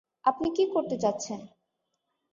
আপনি কী করতে চাচ্ছেন?